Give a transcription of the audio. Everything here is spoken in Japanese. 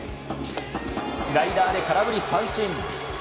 スライダーで空振り三振。